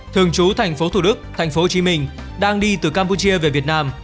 thường trú thành phố thủ đức thành phố hồ chí minh đang đi từ campuchia về việt nam